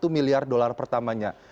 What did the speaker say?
satu miliar dolar pertamanya